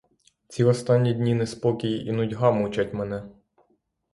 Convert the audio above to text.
Ці останні дні неспокій і нудьга мучать мене.